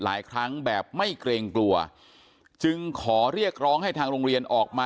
หลายครั้งแบบไม่เกรงกลัวจึงขอเรียกร้องให้ทางโรงเรียนออกมา